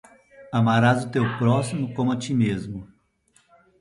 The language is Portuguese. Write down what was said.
Amarás o teu próximo como a ti mesmo.